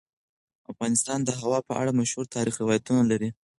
افغانستان د هوا په اړه مشهور تاریخی روایتونه لري.